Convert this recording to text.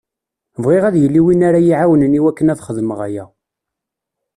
Bɣiɣ ad yili win ara yi-iɛawnen i wakken ad xedmeɣ aya.